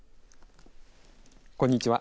こんにちは。